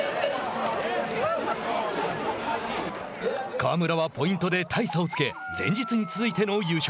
川村はポイントで大差をつけ前日に続いての優勝。